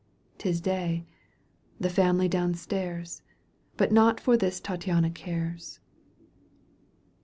'Tis day, the family downstairs, . But nought for this Tattiana cares.